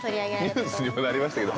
ニュースにもなりましたけど。